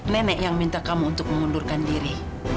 nenek yang minta kamu untuk mengundurkan diri